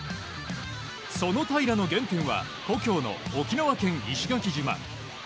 その平良の原点は故郷の沖縄県石垣島。